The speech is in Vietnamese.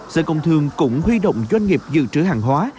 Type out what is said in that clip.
sở công thương cũng huy động doanh nghiệp dự trữ hàng hóa